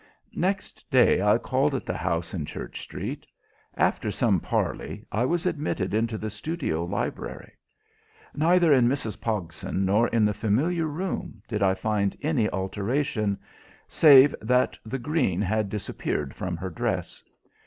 Next day I called at the house in Church Street. After some parley I was admitted into the studio library. Neither in Mrs. Pogson nor in the familiar room did I find any alteration, save that the green had disappeared from her dress.